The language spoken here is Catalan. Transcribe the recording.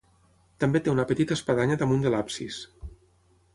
També té una petita espadanya damunt de l'absis.